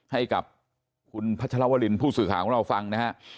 ให้กับคุณพัชรวรินผู้สื่อข่าวของเราฟังนะฮะ